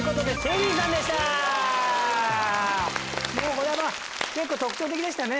これは結構特徴的でしたね